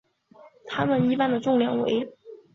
它们一般的重量为。